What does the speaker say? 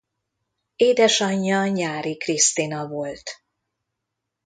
Édesanyja Nyáry Krisztina volt.